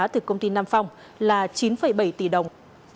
từ công ty nam phong là chín bảy tỷ đồng